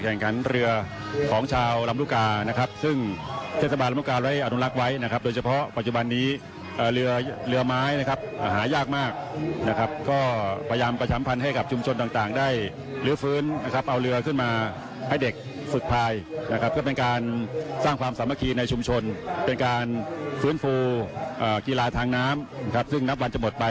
เวลาทางน้ำนะครับซึ่งนับวันจะหมดไป